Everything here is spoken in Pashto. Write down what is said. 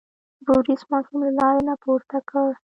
بوریس ماشوم له لارې نه پورته کړ.